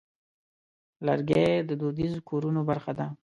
لرګی د دودیزو کورونو برخه ده.